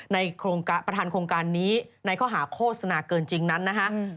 ประธานโครงการนี้ในข้อหาโฆษณาเกินจริงนั้นนะฮะ